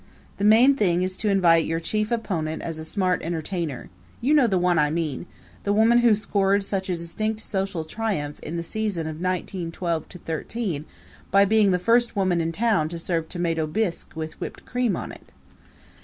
The main thing is to invite your chief opponent as a smart entertainer; you know the one I mean the woman who scored such a distinct social triumph in the season of 1912 13 by being the first woman in town to serve tomato bisque with whipped cream on it.